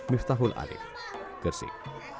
miftahul alif gersik